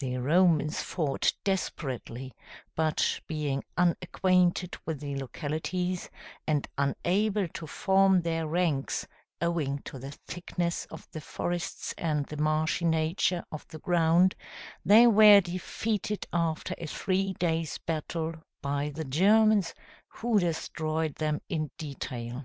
The Romans fought desperately; but being unacquainted with the localities, and unable to form their ranks owing to the thickness of the forests and the marshy nature of the ground, they were defeated after a three days' battle, by the Germans, who destroyed them in detail.